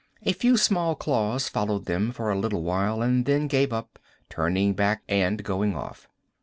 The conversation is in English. A few small claws followed them for a little while and then gave up, turning back and going off.